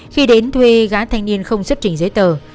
khi đến thuê gã thanh niên không xuất trình giấy tờ